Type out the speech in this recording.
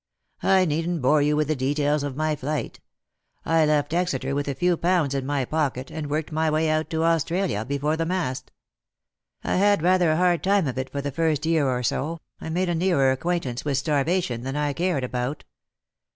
I needn't bore you with the details of my flight. I left Exeter with a few pounds in my pocket, and worked my way out to Australia, before the mast. I had rather a hard time of it for the first year or so, and made a nearer acquaintance with starvation than I cared about.